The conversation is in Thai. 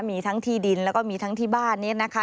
มีทั้งที่ดินแล้วก็มีทั้งที่บ้านเนี่ยนะคะ